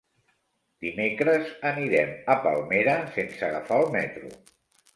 Dimecres anirem a Palmera sense agafar el metro.